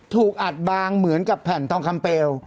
ถูกอัดบางเหมือนกับแผ่นทองคำเปล